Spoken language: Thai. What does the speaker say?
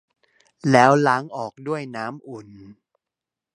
แล้วล้างออกด้วยน้ำอุ่น